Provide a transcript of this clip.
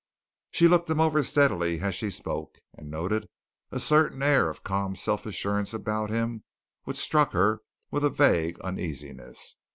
She looked him over steadily as she spoke, and noted a certain air of calm self assurance about him which struck her with a vague uneasiness.